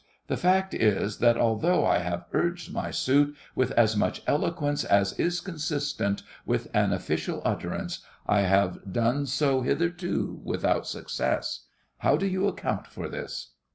The fact is, that although I have urged my suit with as much eloquence as is consistent with an official utterance, I have done so hitherto without success. How do you account for this?